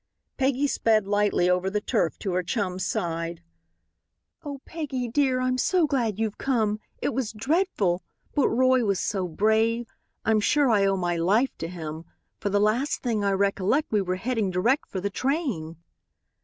Peggy sped lightly over the turf to her chum's side. "Oh, Peggy, dear, I'm so glad you've come. It was dreadful. But Roy was so brave. I'm sure I owe my life to him, for the last thing I recollect we were heading direct for the train."